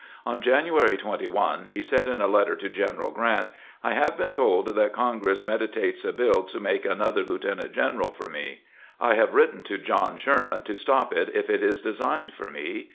On January 21 he said in a letter to General Grant :" I have been told that Congress meditates a bill to make another lieutenant general for me. I have written to John Sherman to stop it if it is designed for me.